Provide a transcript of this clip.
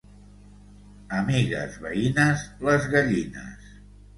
Amigues veïnes, les gallines.